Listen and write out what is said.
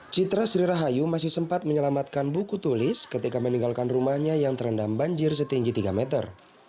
citra sri rahayu masih sempat menyelamatkan buku tulis ketika meninggalkan rumahnya yang terendam banjir setinggi tiga meter